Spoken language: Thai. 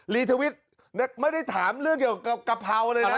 รีทวิตไม่ได้ถามเรื่องเกี่ยวกับกะเพราเลยนะ